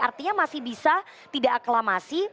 artinya masih bisa tidak aklamasi